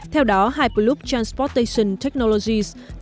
theo đó hyperloop transportation technologies là một công ty vận tài